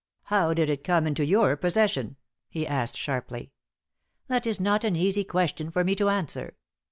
"How did it come into your possession?" he asked, sharply. "That is not an easy question for me to answer."